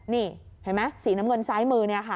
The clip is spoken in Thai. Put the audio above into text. นี่เห็นไหมสีน้ำเงินซ้ายมือ